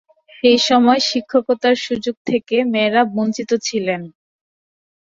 সেইসময় শিক্ষকতার সুযোগ থেকে মেয়েরা বঞ্চিত ছিলেন।